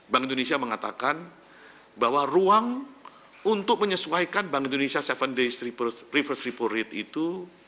bank indonesia mengatakan bahwa ruang untuk menyesuaikan bank indonesia tujuh days reverse repo rate itu